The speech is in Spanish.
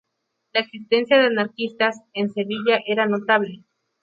La existencia de anarquistas en Sevilla era notable.